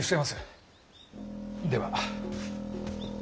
では。